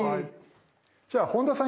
じゃあ本田さん